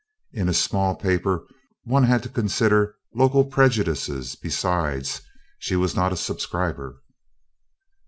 In a small paper one had to consider local prejudices besides, she was not a subscriber.